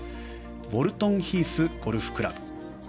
ウォルトンヒースゴルフクラブ。